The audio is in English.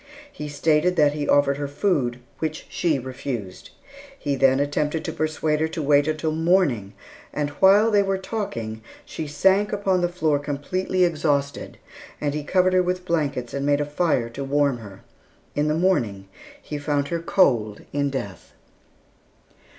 He stated that he offered her food, which she refused. He then attempted to persuade her to wait until morning, and while they were talking, she sank upon the floor completely exhausted, and he covered her with blankets and made a fire to warm her. In the morning he found her cold in death.